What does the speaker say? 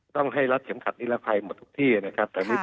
ต้องให้รัดเข็มขัดนิรภัยหมดทุกที่นะครับ